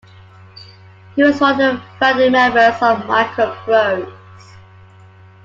He was one of the founding members of MicroProse.